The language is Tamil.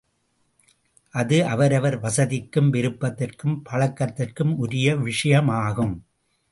அது அவரவரர் வசதிக்கும் விருப்பத்திற்கும் பழக்கத்திற்கும் உரிய விஷயமாகும்.